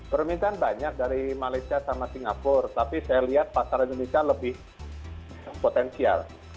permintaan banyak dari malaysia sama singapura tapi saya lihat pasar indonesia lebih potensial